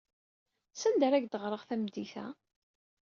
Sanda ara ak-d-ɣreɣ tameddit-a?